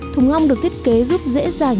thùng ong được thiết kế giúp dễ dàng